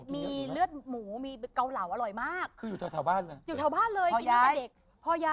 มีเลือดหมูมีกาวเหล่าอร่อยมาก